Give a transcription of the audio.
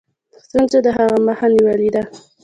ستونزو د هغه مخه نیولې ده.